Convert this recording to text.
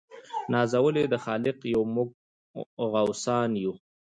نازولي د خالق یو موږ غوثان یو